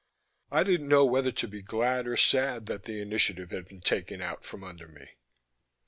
I didn't know whether to be glad or sad that the initiative had been taken out from under me.